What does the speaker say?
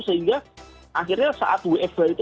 sehingga akhirnya saat wfh itu